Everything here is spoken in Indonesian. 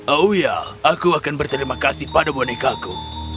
oh ya aku akan berterima kasih pada bonekaku